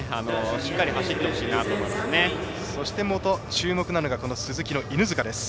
しっかり走ってほしいなとそして注目なのがスズキの犬塚です。